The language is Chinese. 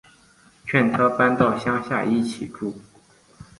劝他搬到乡下一起住